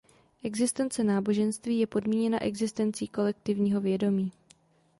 Existence náboženství je podmíněna existencí kolektivního vědomí.